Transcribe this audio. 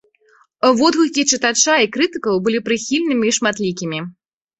Водгукі чытача і крытыкаў былі прыхільнымі і шматлікімі.